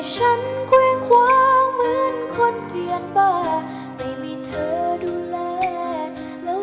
เธอคงไม่กลับมา